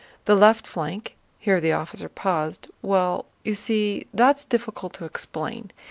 The left flank..." here the officer paused. "Well, you see, that's difficult to explain....